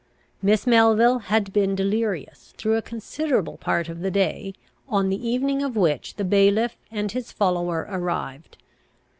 Miss Melville had been delirious, through a considerable part of the day on the evening of which the bailiff and his follower arrived.